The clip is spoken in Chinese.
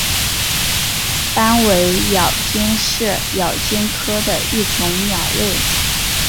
斑尾咬鹃是咬鹃科的一种鸟类。